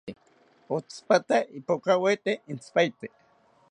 Otsipata ipokaweta intzipaete